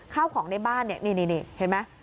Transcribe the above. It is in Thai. ข้าวของในบ้านนี่เห็นไหม